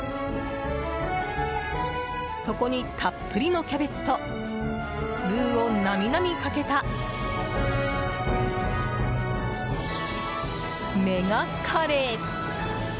そこに、たっぷりのキャベツとルーをなみなみかけたメガカレー。